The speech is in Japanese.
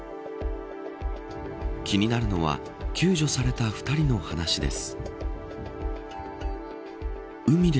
気になるのは救助された２人の話です。